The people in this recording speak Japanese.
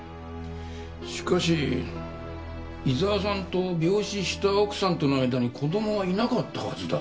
しかし伊沢さんと病死した奥さんとの間に子供はいなかったはずだ。